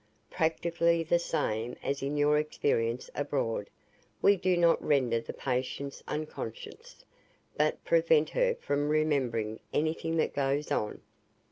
"Practically the same as in your experience abroad. We do not render the patient unconscious, but prevent her from remembering anything that goes on."